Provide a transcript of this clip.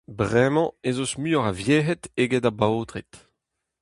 Bremañ ez eus muioc'h a verc'hed eget a baotred.